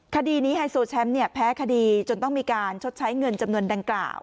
คดีนี้ไฮโซแชมป์แพ้คดีจนต้องมีการชดใช้เงินจำนวนดังกล่าว